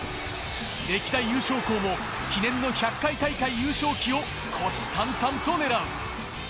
歴代優勝校も記念の１００回大会優勝旗を虎視眈々と狙う。